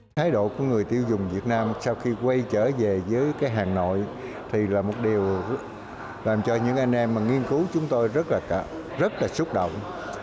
thái độ của người tiêu dùng việt nam sau khi quay trở về với hà nội thì là một điều làm cho những anh em mà nghiên cứu chúng tôi rất là xúc động